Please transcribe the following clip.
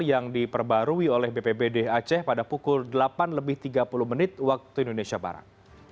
yang diperbarui oleh bpbd aceh pada pukul delapan lebih tiga puluh menit waktu indonesia barat